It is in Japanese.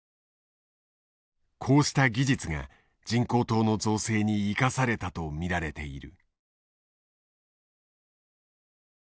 こうした技術が人工島の造成に生かされたと見られている。